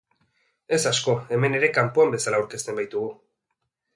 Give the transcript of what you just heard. Ez asko, hemen ere kanpoan bezala aurkezten baitugu.